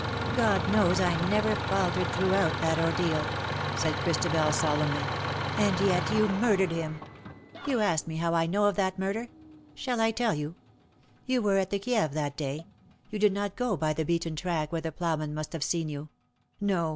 ^''" God knows I never faltered, throughout* that ordeal,^^ said Christabel, solemnly. " And yet you murdered him. You ask me how I know of that murder. Shall T tell you ? You were at the Kieve that day; you did not go by the beaten track where the ploughmen must have seen you. No